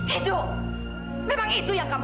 edo memang itu yang kamu mau